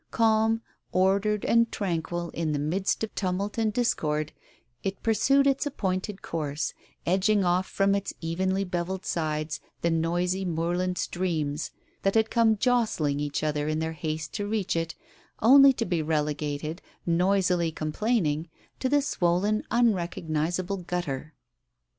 Calm, ordered and tranquil in the midst of tumult and discord, it pursued its appointed course, edging off from its evenly bevelled sides the noisy moorland streams, that had come jostling each other in their haste to reach it, only to be relegated, noisily com plaining, to the swollen, unrecognizable gutter.